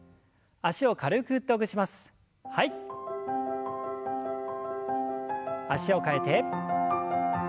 脚を替えて。